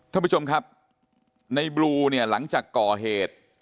ท่านผู้ชมครับในบลูเนี่ยหลังจากก่อเหตุ